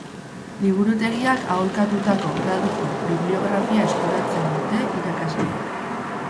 Liburutegiak aholkatutako Graduko bibliografia eskuratzen dute irakasleek.